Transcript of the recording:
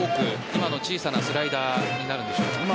今の小さなスライダーになるでしょうか？